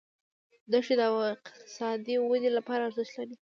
دښتې د اقتصادي ودې لپاره ارزښت لري.